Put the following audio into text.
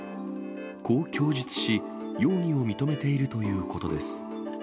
こう供述し、容疑を認めているということです。